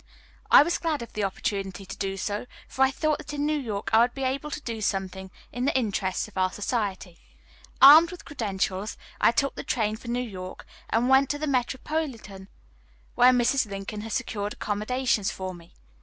I was glad of the opportunity to do so, for I thought that in New York I would be able to do something in the interests of our society. Armed with credentials, I took the train for New York, and went to the Metropolitan, where Mrs. Lincoln had secured accommodations for me.